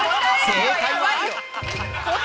◆正解は？